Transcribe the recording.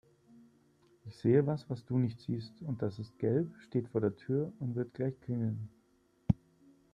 Ich sehe was, was du nicht siehst und das ist gelb, steht vor der Tür und wird gleich klingeln.